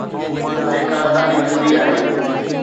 جيڪا ڏاڍي ٿڌي آهي